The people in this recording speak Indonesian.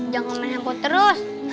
jangan main main yang boh terus